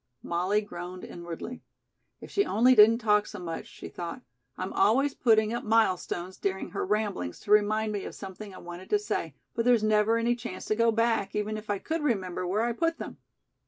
Molly groaned inwardly. "If she only didn't talk so much," she thought. "I'm always putting up milestones during her ramblings to remind me of something I wanted to say, but there's never any chance to go back, even if I could remember where I put them."